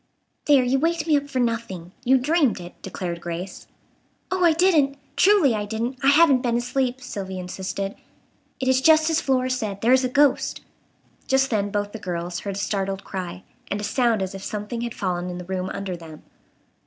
"There, you waked me up for nothing. You dreamed it," declared Grace. "Oh, I didn't! Truly, I didn't. I haven't been asleep," Sylvia insisted. "It is just as Flora said. There is a ghost." Just then both the girls heard a startled cry, and a sound as if something had fallen in the room under them.